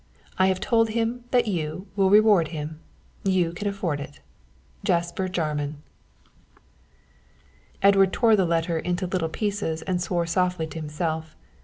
I have told him that you will reward him you can afford it._ "JASPER JARMAN" Edward tore the letter into little pieces and swore softly to himself.